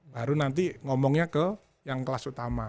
baru nanti ngomongnya ke yang kelas utama